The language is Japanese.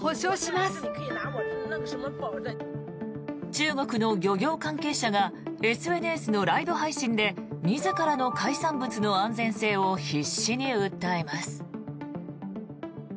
中国の漁業関係者がＳＮＳのライブ配信で自らの海産物の安全性を必死に訴えます。